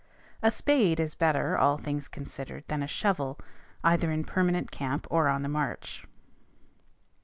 A spade is better, all things considered, than a shovel, either in permanent camp or on the march.